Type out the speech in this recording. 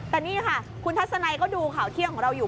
แต่นี่ค่ะคุณทัศนัยก็ดูข่าวเที่ยงของเราอยู่